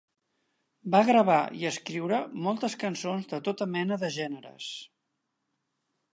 Va gravar i escriure moltes cançons de tota mena de gèneres.